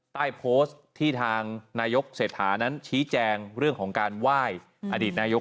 ใต้โพสต์ที่ทางนายกเศรษฐานั้นชี้แจงเรื่องของการไหว้อดีตนายก